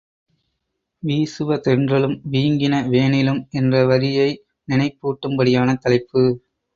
வீசுதென்றலும் வீங்கின வேனிலும் என்ற வரியை நினைப்பூட்டும் படியான தலைப்பு.